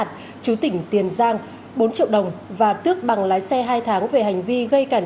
thì tình trạng xe cách hoạt động bắt nháo bắt đầu tài diễn